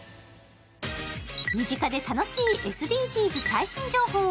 身近で楽しいＳＤＧｓ最新情報。